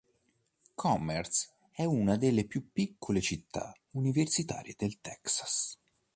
Commerce è una delle più piccole città universitarie nel Texas.